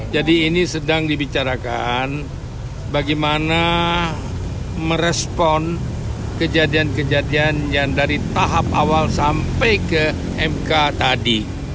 ini sedang dibicarakan bagaimana merespon kejadian kejadian yang dari tahap awal sampai ke mk tadi